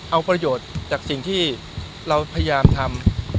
เอาประโยชน์จากสิ่งที่เราพยายามทำ